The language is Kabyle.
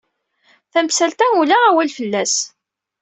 Tamsalt-a ula awal fell-as.